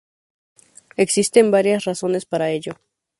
Existen varias razones para ello.